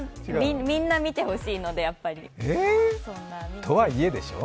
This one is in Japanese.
みんな見てほしいので、やっぱり。とはいえでしょ？